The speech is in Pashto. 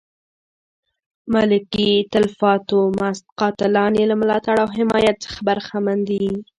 ملکي تلفاتو مست قاتلان یې له ملاتړ او حمایت څخه برخمن دي.